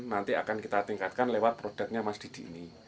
nanti akan kita tingkatkan lewat produknya mas didi ini